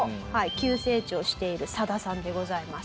急成長しているサダさんでございます。